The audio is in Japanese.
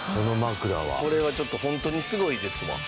これはちょっとホントにすごいですわ。